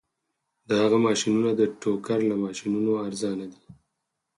د هغه ماشینونه د ټوکر له ماشینونو ارزانه دي